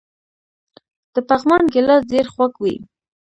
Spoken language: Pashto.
د پغمان ګیلاس ډیر خوږ وي.